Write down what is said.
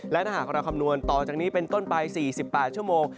และถ้าหากเราคำนวณต่อจากนี้เป็นต้นไป๔๘ชั่วโมง